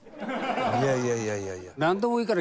いやいやいやいやいや。